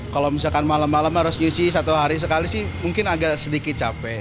kalau misalkan malam malam harus nyusi satu hari sekali sih mungkin agak sedikit capek